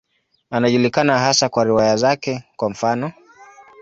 Anajulikana hasa kwa riwaya zake, kwa mfano.